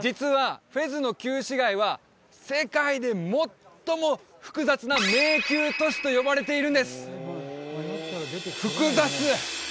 実はフェズの旧市街は世界で最も複雑な迷宮都市と呼ばれているんです複雑！